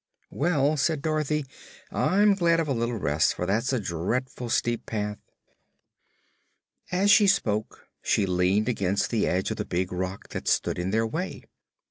"Well," said Dorothy, "I'm glad of a little rest, for that's a drea'ful steep path." As she spoke she leaned against the edge of the big rock that stood in their way.